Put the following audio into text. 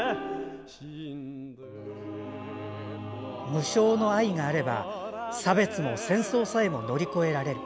無償の愛があれば差別も戦争さえも乗り越えられる。